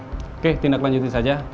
oke tindak lanjutin saja